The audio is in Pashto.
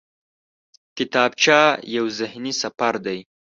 کتابچه یو ذهني سفر دی